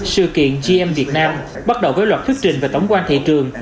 sự kiện gm việt nam bắt đầu với loạt thuyết trình về tổng quan thị trường